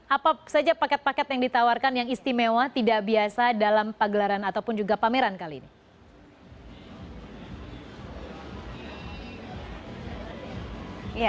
apa saja paket paket yang ditawarkan yang istimewa tidak biasa dalam pagelaran ataupun juga pameran kali ini